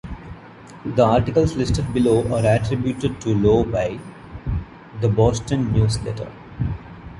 The Articles listed below are attributed to Low by "The Boston News-Letter".